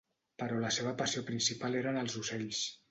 Però la seva passió principal eren els ocells.